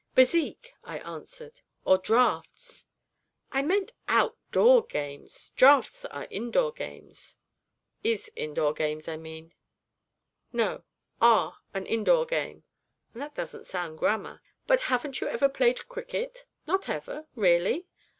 'Bezique,' I answered, 'or draughts.' 'I meant _out_door games; draughts are indoor games is indoor games, I mean no, are an indoor game and that doesn't sound grammar! But haven't you ever played cricket? Not ever, really?